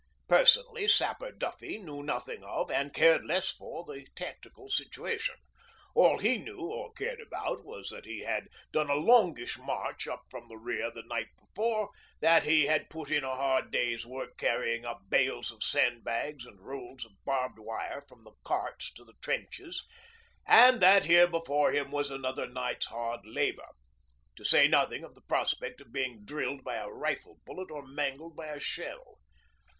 Personally Sapper Duffy knew nothing of, and cared less for, the tactical situation. All he knew or cared about was that he had done a longish march up from the rear the night before, that he had put in a hard day's work carrying up bales of sandbags and rolls of barbed wire from the carts to the trenches, and that here before him was another night's hard labour, to say nothing of the prospect of being drilled by a rifle bullet or mangled by a shell.